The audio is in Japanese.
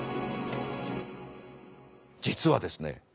実はですね